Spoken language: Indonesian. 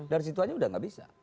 dari situ aja udah gak bisa